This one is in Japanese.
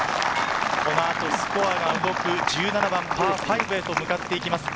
この後、スコアが動く１７番、パー５へと向かっていきます。